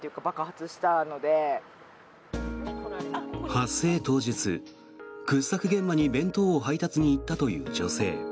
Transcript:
発生当日、掘削現場に弁当を配達に行ったという女性。